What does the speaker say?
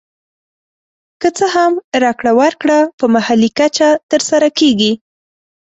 که څه هم راکړه ورکړه په محلي کچه تر سره کېږي